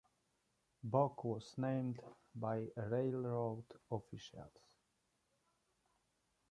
Bock was named by railroad officials.